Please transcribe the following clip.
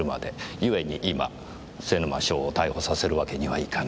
故に今瀬沼翔を逮捕させるわけにはいかない。